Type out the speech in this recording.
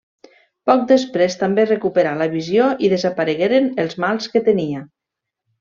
Poc després, també recuperà la visió i desaparegueren els mals que tenia.